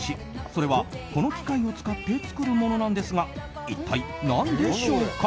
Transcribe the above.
それは、この機械を使って作るものなんですが一体何でしょうか？